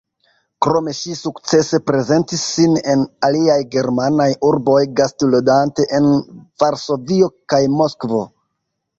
Krome ŝi sukcese prezentis sin en aliaj germanaj urboj gastludante en Varsovio kaj Moskvo.